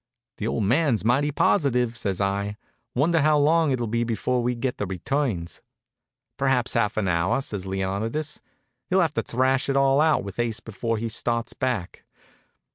"The old man's mighty positive," says I. "Wonder how long it'll be before we get the returns?" "Perhaps half an hour," says Leonidas. "He'll have to thrash it all out with Ase before he starts back.